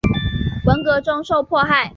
文革中受迫害。